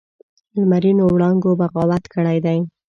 لمرینو وړانګو بغاوت کړی دی